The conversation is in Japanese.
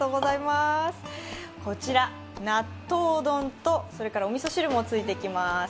こちら、納豆丼とおみそ汁もついてきます。